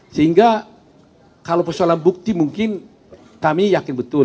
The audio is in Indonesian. sehingga kalau persoalan bukti mungkin kami yakin betul